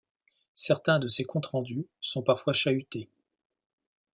Certains de ces comptes rendus sont parfois chahutés.